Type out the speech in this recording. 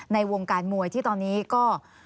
ในวงการมวยที่ตอนนี้ก็